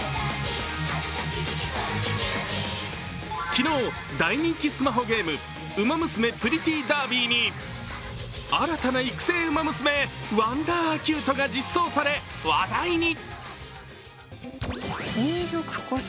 昨日、大人気スマホゲーム「ウマ娘プリティーダービー」に新たな育成ウマ娘、ワンダーアキュートが実装され、話題に。